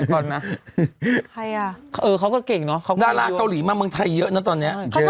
ใครอ่ะเขาก็เก่งเนอะดาราเกาหลีมาเมืองไทยเยอะนะตอนเนี้ย